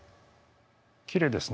きれいですね。